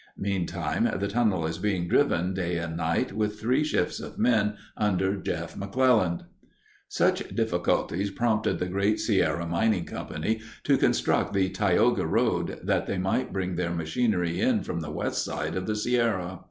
Meantime, the tunnel is being driven day and night, with three shifts of men under Jeff McClelland. Such difficulties prompted the Great Sierra Mining Company to construct the Tioga Road, that they might bring their machinery in from the west side of the Sierra.